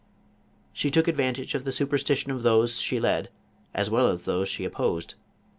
She took ad vantage of the superstition of those she led as well as those she opposed.